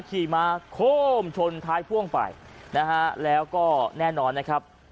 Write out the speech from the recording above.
ขี่มาโค้มชนท้ายพ่วงไปนะฮะแล้วก็แน่นอนนะครับ